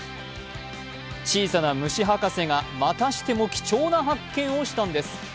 小さな虫博士がまたしても貴重な発見をしたんです。